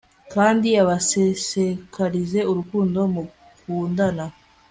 kandi abasesekarize urukundo mukundana